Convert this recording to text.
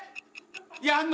やんの？